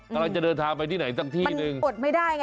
กำลังจะเดินทางไปที่ไหนสักที่หนึ่งอดไม่ได้ไง